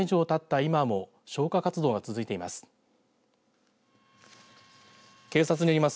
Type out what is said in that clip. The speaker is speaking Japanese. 今も消火活動が続いています。